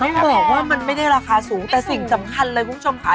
ต้องบอกว่ามันไม่ได้ราคาสูงแต่สิ่งสำคัญเลยคุณผู้ชมค่ะ